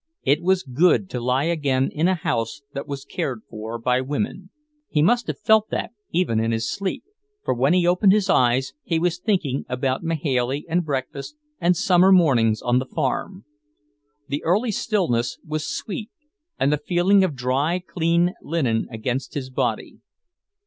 It was good to lie again in a house that was cared for by women. He must have felt that even in his sleep, for when he opened his eyes he was thinking about Mahailey and breakfast and summer mornings on the farm. The early stillness was sweet, and the feeling of dry, clean linen against his body.